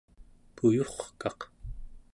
puyurkaq